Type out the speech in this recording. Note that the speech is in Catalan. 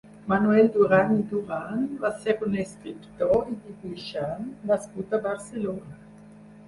Manuel Duran i Duran va ser un escriptor i dibuixant nascut a Barcelona.